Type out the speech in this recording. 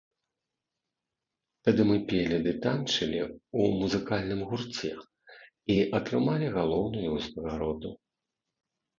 Тады мы пелі ды танчылі ў музыкальным гурце і атрымалі галоўную ўзнагароду.